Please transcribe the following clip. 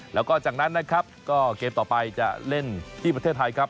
แล้วก็จากนั้นนะครับก็เกมต่อไปจะเล่นที่ประเทศไทยครับ